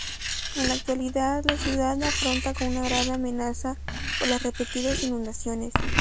En la actualidad la ciudad afronta una grave amenaza por las repetidas inundaciones.